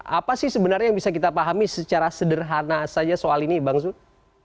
apa sih sebenarnya yang bisa kita pahami secara sederhana saja soal ini bang zul